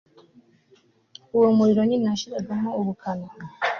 uwo muriro nyine washiragamo ubukana